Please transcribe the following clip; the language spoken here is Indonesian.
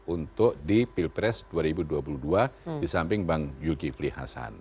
untuk di pilpres dua ribu dua puluh dua di samping bang zulkifli hasan